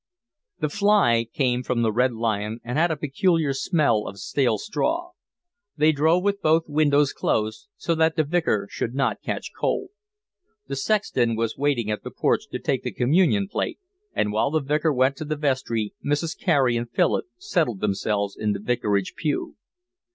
The fly came from The Red Lion and had a peculiar smell of stale straw. They drove with both windows closed so that the Vicar should not catch cold. The sexton was waiting at the porch to take the communion plate, and while the Vicar went to the vestry Mrs. Carey and Philip settled themselves in the vicarage pew.